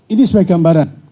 ini sebagai gambaran